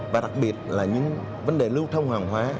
và đặc biệt là những vấn đề lưu thông hàng hóa